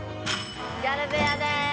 ギャル部屋です！